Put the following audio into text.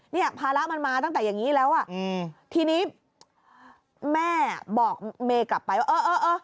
นี่ภาระมันมาตั้งแต่อย่างนี้แล้วทีนี้แม่บอกเมกลับไปว่าเออ